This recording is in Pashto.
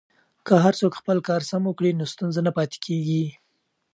که هر څوک خپل کار سم وکړي نو ستونزه نه پاتې کیږي.